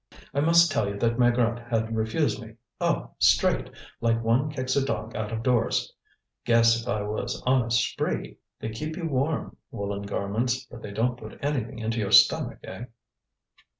"I must tell you that Maigrat had refused me, oh! straight! like one kicks a dog out of doors. Guess if I was on a spree! They keep you warm, woollen garments, but they don't put anything into your stomach, eh!"